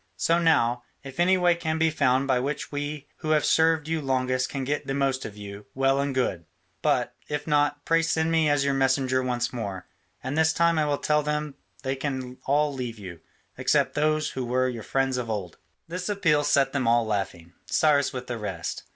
So now, if any way can be found by which we who have served you longest can get the most of you, well and good: but, if not, pray send me as your messenger once more, and this time I will tell them they can all leave you, except those who were your friends of old." This appeal set them all laughing, Cyrus with the rest.